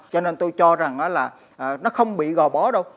cho nên tôi cho rằng là nó không bị gò bó đâu